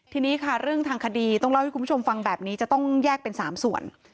ทีนี้ค่ะเรื่องทางคดีต้องเล่าให้คุณผู้ชมฟังแบบนี้จะต้องแยกเป็น๓ส่วน